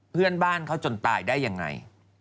เพื่อนบ้านเขาจนตายได้ยังไง